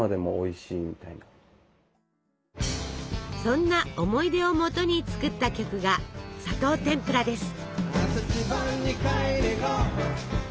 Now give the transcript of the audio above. そんな思い出をもとに作った曲が「砂糖てんぷら」です。